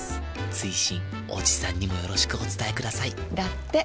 追伸おじさんにもよろしくお伝えくださいだって。